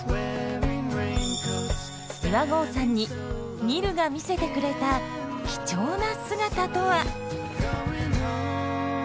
岩合さんにニルが見せてくれた貴重な姿とは？